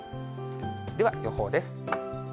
では予報です。